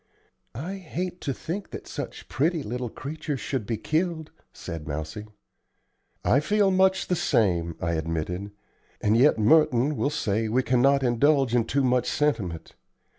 "I hate to think that such pretty little creatures should be killed," said Mousie. "I feel much the same," I admitted; "and yet Merton will say we cannot indulge in too much sentiment.